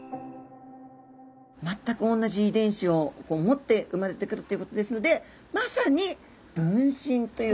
全く同じ遺伝子をこう持って生まれてくるということですのでまさに分身という。